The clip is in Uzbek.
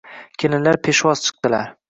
Kelinlar peshvoz chiqdilar